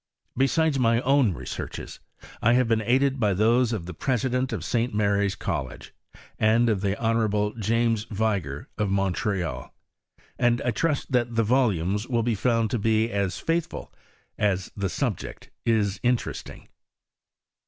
Besides my own researches, I have been aided hy those of the President of St. Mary's College, and of the Hon. James Yiger, of Montreal, and I trust that the volume will be found to be as faithful as the subject is interesting.